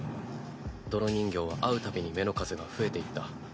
泥人形は会う度に眼の数が増えていった。